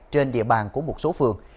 trên địa bàn của một số phường